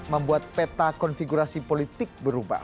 membuat peta konfigurasi politik berubah